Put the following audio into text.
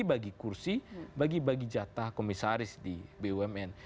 bagi kursi bagi bagi jatah komisaris di bumn